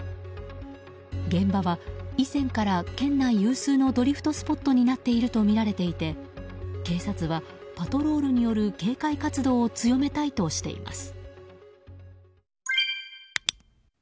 現場は以前から県内有数のドリフトスポットになっているとみられていて警察はパトロールによる警戒活動を強めたいとしています。